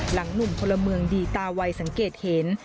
หนุ่มพลเมืองดีตาวัยสังเกตเห็น